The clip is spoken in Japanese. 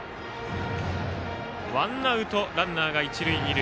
ワンアウト、ランナーが一塁二塁。